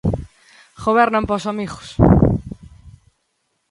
Gobernan para os amigos.